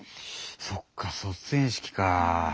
そっか卒園式かぁ。